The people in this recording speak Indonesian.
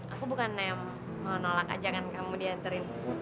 aku bukan mau nolak ajakan kamu diantarin